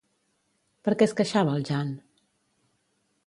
Per què es queixava el Jan?